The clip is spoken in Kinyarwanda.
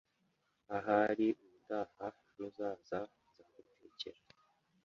Ahari ubutaha nuzaza nzagutekera.